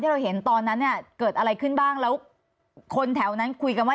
เราเห็นตอนนั้นเนี่ยเกิดอะไรขึ้นบ้างแล้วคนแถวนั้นคุยกันว่า